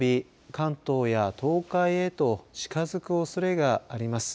関東や東海へと近づくおそれがあります。